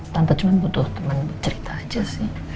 tanpa cuma butuh teman cerita aja sih